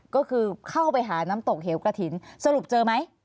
ก็คือเข้าไปหาน้ำตกเหวกระถิ่นสรุปเจอไหม